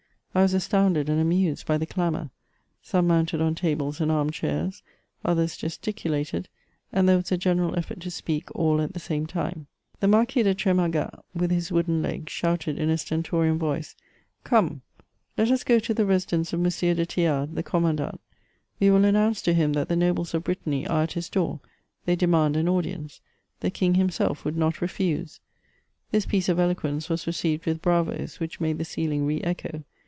I was astounded and amused by the clamour. Some mounted on tables and arm chairs ; others gesticulated ; and there was a general effort to speak all at the same time. The Marquis deTremargat, with his wooden leg, shouted in a stentorian voice, i^ Come, let us go to the residence of M. de Thiard, the commandant ; we will announce to him that the nobles of Brittany are at his door ; they demand an audience. The king himself would not refuse !'* This piece of eloquence was received with bravos, which made the ceiling re echo.